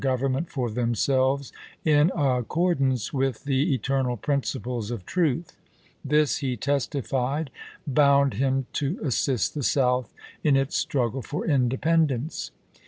government for themselves in accordance with the eternal principles of truth ; this, he testified, bound him to assist the South in its struggle for inde pendence.